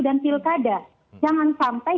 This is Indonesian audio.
dan pilkada jangan sampai